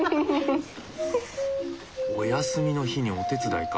お休みの日にお手伝いか。